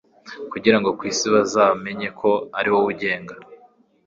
kugira ngo ku isi bazamenye ko ari wowe ugenga